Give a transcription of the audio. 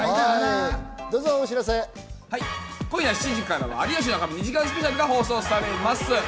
今夜７時からは『有吉の壁２時間スペシャル』が放送されます。